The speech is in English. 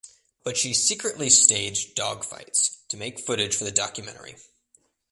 But she secretly staged dogfights to make footage for the documentary.